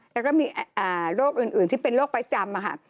แล้วก็มีโรคอื่นที่เป็นโรคประจำค่ะ